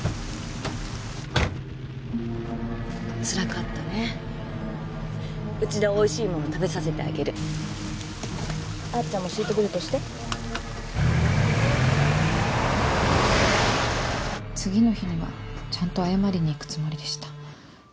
つらかったねうちでおいしいもの食べさせてあげるあっちゃんもシートベルトして次の日にはちゃんと謝りに行くつもりでした。